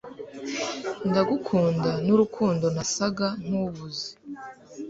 ndagukunda nurukundo nasaga nkubuze